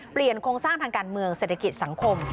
โครงสร้างทางการเมืองเศรษฐกิจสังคม